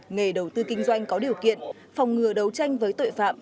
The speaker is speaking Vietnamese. nghề đầu tư kinh doanh có điều kiện phòng ngừa đấu tranh với tội phạm